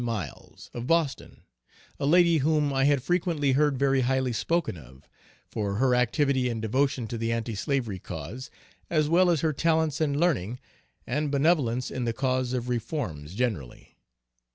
Miles, of Boston; a lady whom I had frequently heard very highly spoken of, for her activity and devotion to the anti slavery cause, as well as her talents and learning, and benevolence in the cause of reforms, generally.